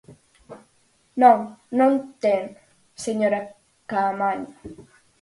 Non, non ten, señora Caamaño.